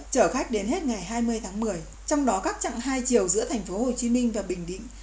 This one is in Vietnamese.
chở khách đến hết ngày hai mươi tháng một mươi trong đó các trạng hai chiều giữa thành phố hồ chí minh và bình định